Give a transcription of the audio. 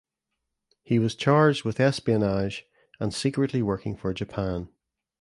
He was charged with espionage and secretly working for Japan.